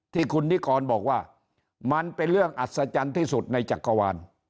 ที่คุณนิกรบอกว่ามันเป็นเรื่องอัศจรรย์ที่สุดในจักรวาล